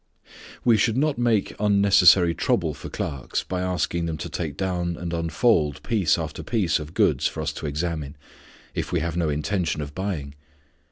We should not make unnecessary trouble for clerks by asking them to take down and unfold piece after piece of goods for us to examine, if we have no intention of buying.